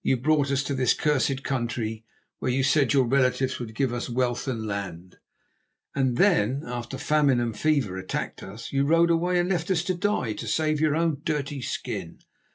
You brought us to this cursed country, where you said your relatives would give us wealth and land, and then, after famine and fever attacked us, you rode away, and left us to die to save your own dirty skin.